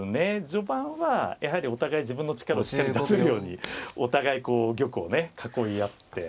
序盤はやはりお互い自分の力をしっかり出せるようにお互いこう玉をね囲い合って。